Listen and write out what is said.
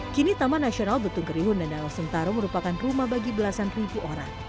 kini taman nasional betung kerihun dan danau sentarung merupakan rumah bagi belasan ribu orang